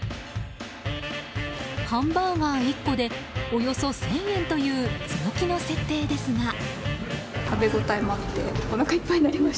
ハンバーガー１個でおよそ１０００円という強気の設定ですが。